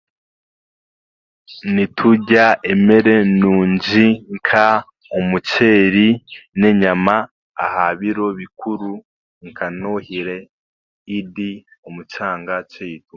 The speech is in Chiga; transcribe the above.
Niturya emere nungi nka omuceeri n'enyama aha biro bikuru nka noohire, edi omu kyanga kyaitu